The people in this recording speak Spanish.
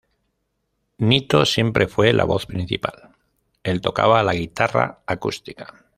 Nito siempre fue la voz principal, el tocaba la guitarra acústica.